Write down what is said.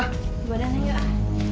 ke badannya yuk